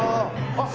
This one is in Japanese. あっ！